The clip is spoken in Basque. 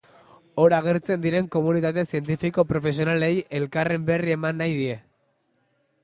Hor agertzen diren komunitate zientifiko-profesionalei elkarren berri eman nahi die.